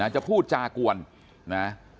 จะพูดจากวนนะ